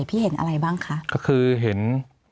มีความรู้สึกว่ามีความรู้สึกว่า